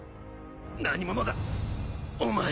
何者だ？お前。